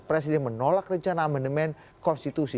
presiden menolak rencana amandemen konstitusi